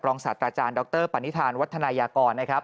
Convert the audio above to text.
รองศาสตร์อาจารย์ดรปันนิธานวัฒนายากร